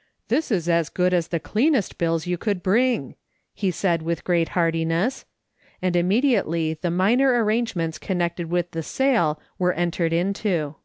" This is as good as the cleanest bills you could bring," he said with great heartiness. And imme diately the minor arrangements connected with the sale were entered into.